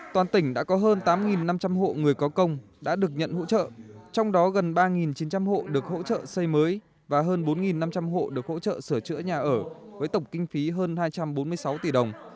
toàn tỉnh đã có hơn tám năm trăm linh hộ người có công đã được nhận hỗ trợ trong đó gần ba chín trăm linh hộ được hỗ trợ xây mới và hơn bốn năm trăm linh hộ được hỗ trợ sửa chữa nhà ở với tổng kinh phí hơn hai trăm bốn mươi sáu tỷ đồng